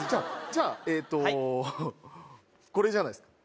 じゃあえーとこれじゃないですか？